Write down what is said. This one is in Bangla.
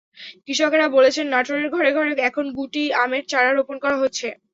কৃষকেরা বলছেন, নাটোরের ঘরে ঘরে এখন গুটি আমের চারা রোপণ করা হচ্ছে।